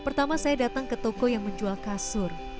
pertama saya datang ke toko yang menjual kasur